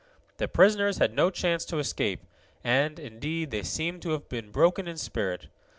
The prisoners had no chance to escape, and, indeed, they seemed to have been broken in spirit.